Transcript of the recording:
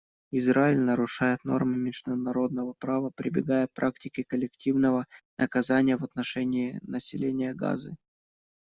Израиль нарушает нормы международного права, прибегая к практике коллективного наказания в отношении населения Газы.